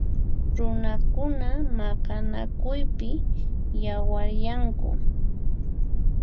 Runakuna maqanakuypi yawaryanku.